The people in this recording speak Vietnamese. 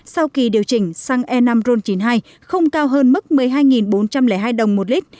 sau kỳ điều chỉnh xăng e năm ron chín mươi hai không cao hơn mức một mươi hai bốn trăm linh hai đồng một lít